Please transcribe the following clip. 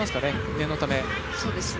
念のため。